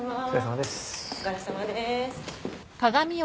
お疲れさまです。